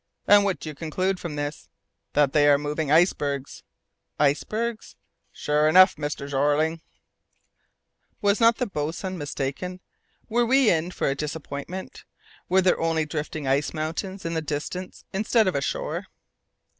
"And what do you conclude from this?" "That they are moving icebergs." "Icebergs?" "Sure enough, Mr. Jeorling." Was not the boatswain mistaken? Were we in for a disappointment? Were there only drifting ice mountains in the distance instead of a shore?